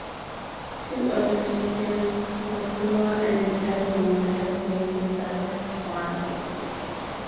Two others, Dan Bylsma and Ted Nolan, had played in the Sabres' farm system.